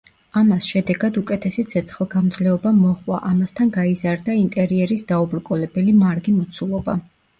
ამას შედეგად უკეთესი ცეცხლგამძლეობა მოჰყვა, ამასთან გაიზარდა ინტერიერის დაუბრკოლებელი მარგი მოცულობა.